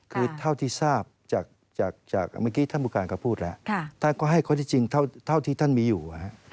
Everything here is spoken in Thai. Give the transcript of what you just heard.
คือเท่าที่ท่านพุการพูดแล้วท่านก็ให้เท่าที่มีอยู่